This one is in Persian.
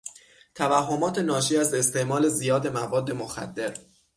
توهمات ناشی از استعمال زیاد مواد مخدر